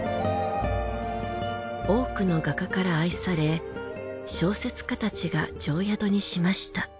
多くの画家から愛され小説家たちが定宿にしました。